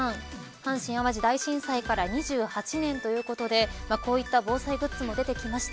阪神淡路大震災から２８年ということでこういった防災グッズも出てきました。